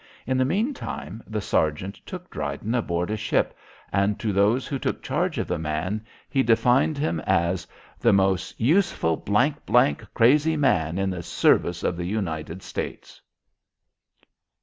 In the meantime the sergeant took Dryden aboard a ship, and to those who took charge of the man, he defined him as "the most useful crazy man in the service of the United States."